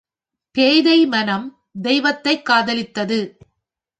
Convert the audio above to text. பேதை மனம் தெய்வத்தைக் காதலித்தது.